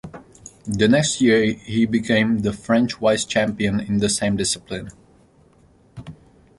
The next year, he became the French vice champion in the same discipline.